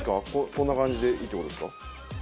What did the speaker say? こんな感じでいいっていう事ですか？